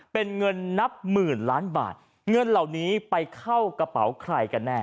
เป็นเงินนับหมื่นล้านบาทเงินเหล่านี้ไปเข้ากระเป๋าใครกันแน่